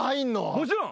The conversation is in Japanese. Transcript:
もちろん。